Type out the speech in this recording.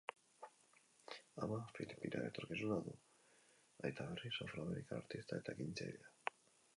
Ama filipinar etorkina du; aita, berriz, afro-amerikar artista eta ekintzailea.